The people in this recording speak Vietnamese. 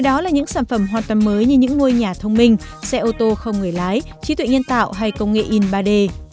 đó là những sản phẩm hoàn toàn mới như những ngôi nhà thông minh xe ô tô không người lái trí tuệ nhân tạo hay công nghệ in ba d